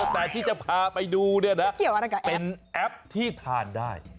แต่ที่จะพาไปดูเนี่ยนะเป็นแอปที่ทานได้